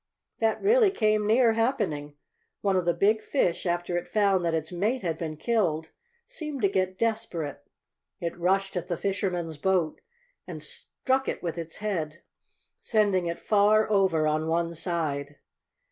That really came near happening. One of the big fish, after it found that its mate had been killed, seemed to get desperate. It rushed at the fishermen's boat and struck it with its head, sending it far over on one side.